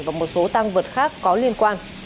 và một số tăng vật khác có liên quan